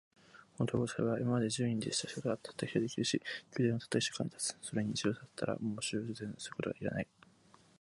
この道具を使えば、今まで十人でした仕事が、たった一人で出来上るし、宮殿はたった一週間で建つ。それに一度建てたら、もう修繕することが要らない。